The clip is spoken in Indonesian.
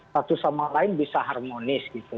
satu sama lain bisa harmonis gitu